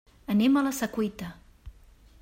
Anem a la Secuita.